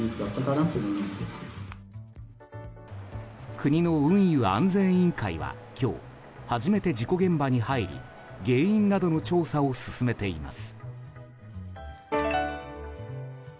国の運輸安全委員会は今日初めて事故現場に入り原因などの調査を進めています。